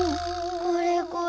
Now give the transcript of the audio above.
これこれ。